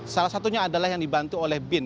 salah satunya adalah yang dibantu oleh bin